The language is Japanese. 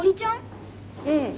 うん。